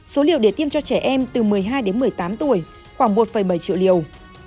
số liệu để tiêm cho trẻ em từ một mươi hai đến một mươi tám tuổi khoảng một bảy triệu liều